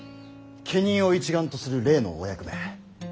家人を一丸とする例のお役目